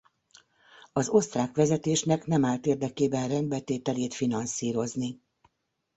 Az osztrák vezetésnek nem állt érdekében rendbetételét finanszírozni.